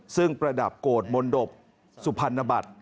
ซึ่งประดับโกรธมนตบสุพรรณบัตร